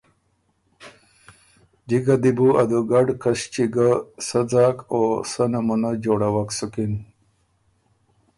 جکه دی بو ا دُوګډ کݭچی ګۀ سۀ ځاک او سۀ نمونۀ جوړَوک سُکِن۔